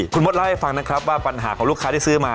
คุณมดเล่าให้ฟังนะครับว่าปัญหาของลูกค้าที่ซื้อมา